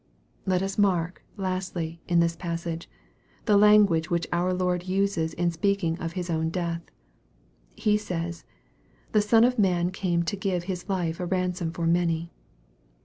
Let us mark, lastly, in this passage, the language which our Lord uses in speaking of His own death. He says, " The Son of Man came to give His life a ransom for many."